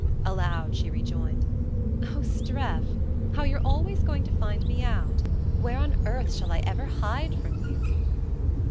Aloud she rejoined: "Oh, Streff how you're always going to find me out! Where on earth shall I ever hide from you?"